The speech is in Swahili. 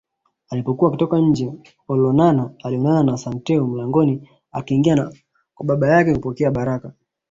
Alipokuwa akitoka nje Olonana alionana na Santeu mlangoni akiingia kwa baba yake kupokea baraka